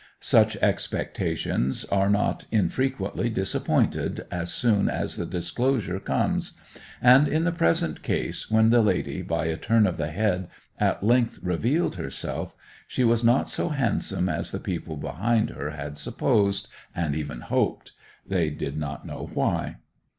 Such expectations are not infrequently disappointed as soon as the disclosure comes; and in the present case, when the lady, by a turn of the head, at length revealed herself, she was not so handsome as the people behind her had supposed, and even hoped—they did not know why.